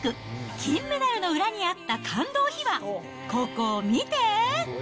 金メダルの裏にあった感動秘話、ココ見て！